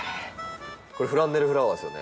これフランネルフラワーですよね？